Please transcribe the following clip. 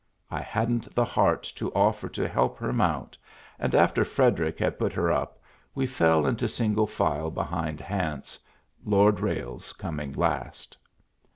I hadn't the heart to offer to help her mount, and after Frederic had put her up we fell into single file behind Hance, Lord Ralles coming last.